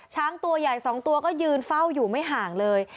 ช้างตัวใหญ่๒ตัวก็ยืนเฝ้าอยู่ไม่ห่างเลย